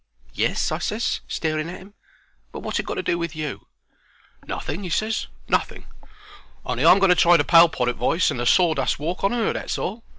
"Yes," I ses, staring at him. "But wot's it got to do with you?" "Nothing," he ses. "Nothing. Only I'm going to try the poll parrot voice and the sawdust walk on her, that's all.